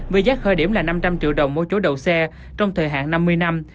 với giá khơi điểm là năm trăm linh triệu đồng mỗi chỗ đầu xe trong thời hạn năm mươi năm